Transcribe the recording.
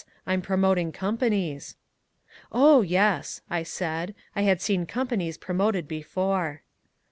I'm promoting companies." "Oh, yes," I said. I had seen companies promoted before.